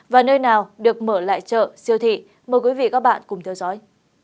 và nơi nào được mở lại chợ siêu thị mời quý vị và các bạn cùng theo dõi